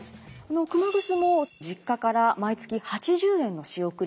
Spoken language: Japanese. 熊楠も実家から毎月８０円の仕送りがありました。